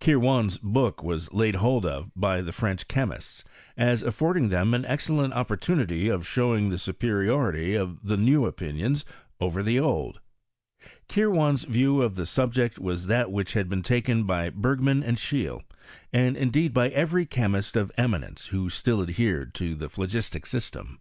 Kirwan 's book was laid hold of by the Frenck chemists, as atTording them an excellent opportunity of showing the superiority of the new opinions over the old, Kirwan's viewof the subject was that which had been taken by Bergman and Scheele, and in deed by every chemist of eminence who still adhered to the phlogistic system.